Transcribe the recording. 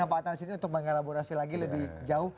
dan pak atnan di sini untuk mengelaborasi lagi lebih jauh